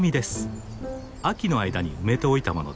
秋の間に埋めておいたものです。